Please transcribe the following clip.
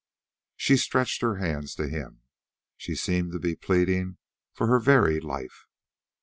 She stretched her hands to him. She seemed to be pleading for her very life.